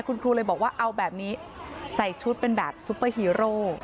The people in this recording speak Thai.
คุณครูเลยบอกว่าเอาแบบนี้ใส่ชุดเป็นแบบซุปเปอร์ฮีโร่